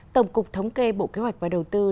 tổng cục thống kê bộ kế hoạch và đồng nghiệp